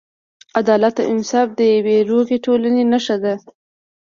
عدالت او انصاف د یوې روغې ټولنې نښه ده.